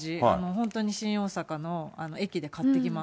本当に新大阪の駅で買っていきます。